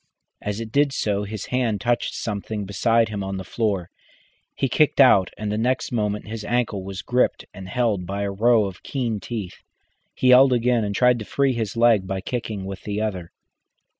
As it did so his hand touched something beside him on the floor. He kicked out, and the next moment his ankle was gripped and held by a row of keen teeth. He yelled again, and tried to free his leg by kicking with the other.